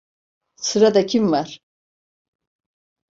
Sırada kim var?